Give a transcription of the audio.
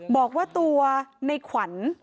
บอกว่าตัวในขวัญ